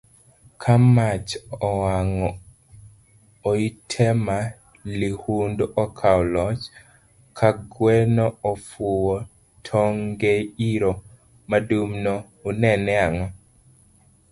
Ka mach owango oitema lihudu okao loch, kagweno ofuwo tongeiro madum no, unene ango?